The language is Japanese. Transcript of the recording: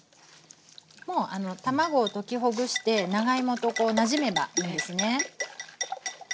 もう卵を溶きほぐして長芋となじめばいいんですね。